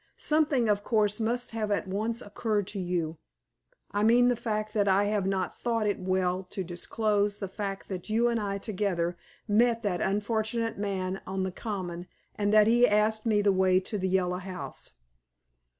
Something, of course, must have at once occurred to you I mean the fact that I have not thought it well to disclose the fact that you and I together met that unfortunate man on the common, and that he asked me the way to the Yellow House."